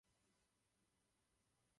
Na ostrově je i pláž vhodná ke koupání.